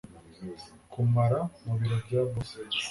kumara mubiro bya boss